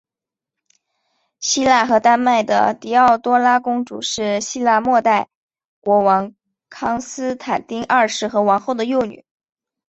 希腊和丹麦的狄奥多拉公主是希腊未代国王康斯坦丁二世和王后的幼女。